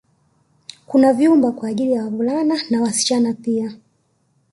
Kuna vyumba kwaajili ya wavulana na wasichana pia